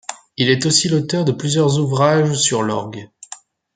Il est aussi l'auteur de plusieurs ouvrages sur l'orgue.